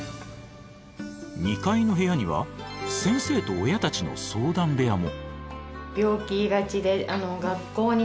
２階の部屋には先生と親たちの相談部屋も。